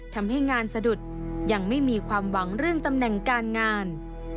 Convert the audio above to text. ทำให้งานสะดุดยังไม่มีความหวังเรื่องตำแหน่งการงาน